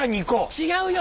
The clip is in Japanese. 違うよ！